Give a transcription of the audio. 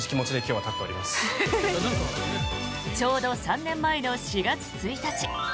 ちょうど３年前の４月１日。